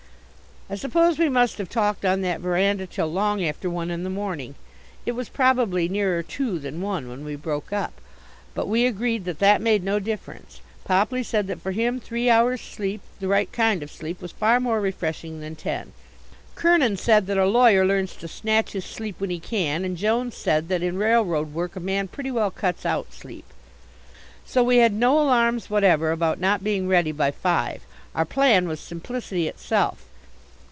I suppose we must have talked on that veranda till long after one in the morning. It was probably nearer two than one when we broke up. But we agreed that that made no difference. Popley said that for him three hours' sleep, the right kind of sleep, was far more refreshing than ten. Kernin said that a lawyer learns to snatch his sleep when he can, and Jones said that in railroad work a man pretty well cuts out sleep. So we had no alarms whatever about not being ready by five. Our plan was simplicity itself.